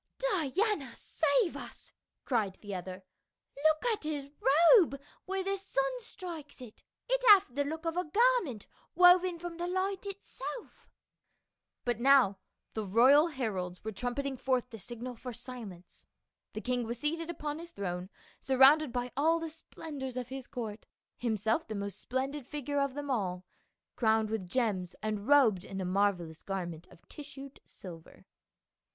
" Diana save us !" cried the other, " look at his robe where the sun strikes it ; it hath the look of a garment woven from the light itself" But now the royal heralds were trumpeting forth the signal for silence ; the king was seated upon his throne surrounded by all the splendors of his court, himself the most splendid figure of them all, crowned with gems and robed in a marvelous garment of tissued silver.